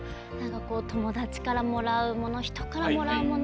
友達からもらうもの人からもらうもの。